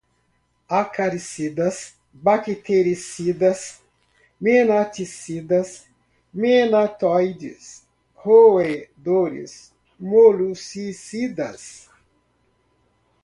acaricidas, bactericidas, nematicidas, nematoides, roedores, moluscicidas